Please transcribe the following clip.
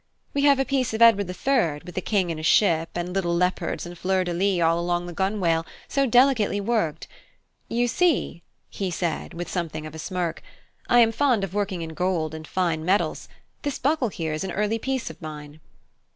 We have a piece of Edward III., with the king in a ship, and little leopards and fleurs de lys all along the gunwale, so delicately worked. You see," he said, with something of a smirk, "I am fond of working in gold and fine metals; this buckle here is an early piece of mine."